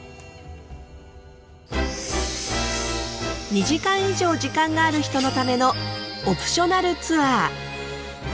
２時間以上時間がある人のためのオプショナルツアー。